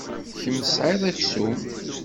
Kemm tesɛid aksum.